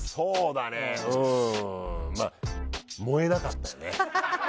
うーん、燃えなかったよね。